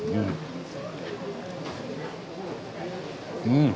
うん！